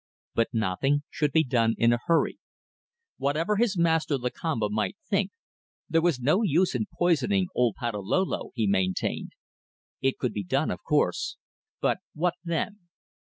But nothing should be done in a hurry. Whatever his master Lakamba might think, there was no use in poisoning old Patalolo, he maintained. It could be done, of course; but what then?